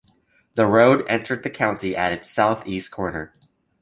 The road entered the county at its southeast corner.